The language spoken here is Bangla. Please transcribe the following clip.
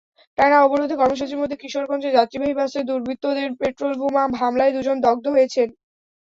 টানা অবরোধ কর্মসূচির মধ্যে কিশোরগঞ্জে যাত্রীবাহী বাসে দুর্বৃত্তদের পেট্রলবোমা হামলায় দুজন দগ্ধ হয়েছেন।